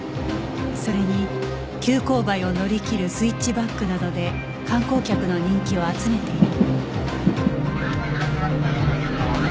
それに急勾配を乗り切るスイッチバックなどで観光客の人気を集めている